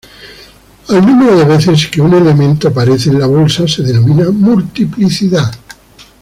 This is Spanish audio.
Al número de veces que un elemento aparece en la bolsa se denomina multiplicidad.